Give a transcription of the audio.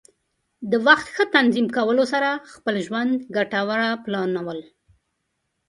د وخت ښه تنظیم کولو سره د خپل ژوند ګټوره پلانول.